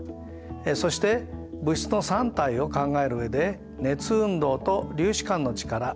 そして「物質の三態」を考える上で「熱運動」と「粒子間の力」